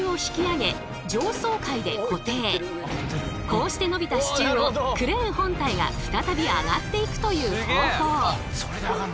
こうして伸びた支柱をクレーン本体が再び上がっていくという方法。